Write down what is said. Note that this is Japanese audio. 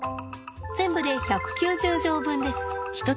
全部で１９０錠分です。